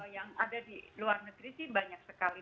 yang ada di luar negeri sih banyak sekali